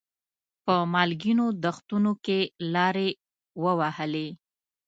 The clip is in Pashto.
په مالګینو دښتونو کې لارې ووهلې.